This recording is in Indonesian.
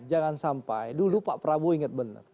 jangan sampai dulu pak prabowo ingat benar